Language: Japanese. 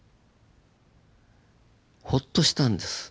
ホッとしたんです。